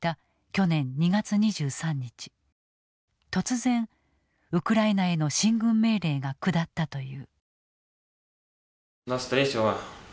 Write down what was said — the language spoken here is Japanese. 突然ウクライナへの進軍命令が下ったという。